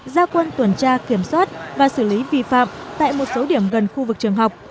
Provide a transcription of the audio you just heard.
gia quân tuần tra kiểm soát và xử lý vi phạm tại một số điểm gần khu vực trường học